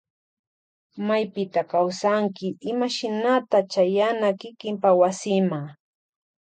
Maypita kawsanki imashinata chayana kikinpa wasima.